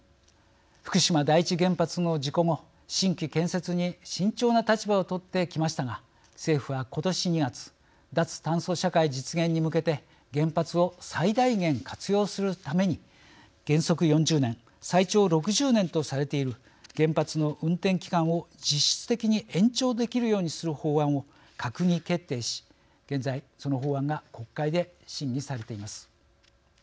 福島第一原発の事故後新規建設に慎重な立場をとってきましたが政府は今年２月脱炭素社会実現に向けて原発を最大限活用するために原則４０年最長６０年とされている原発の運転期間を実質的に延長できるようにする法案を閣議決定し現在その法案が国会で審議されています。